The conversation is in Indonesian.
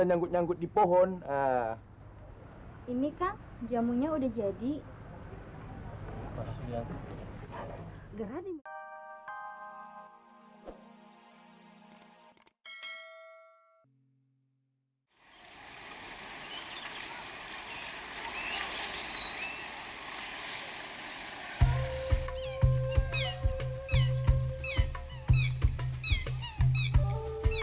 nyanggut nyanggut di pohon ini kan jamunya udah jadi hai berhasil gerak dengan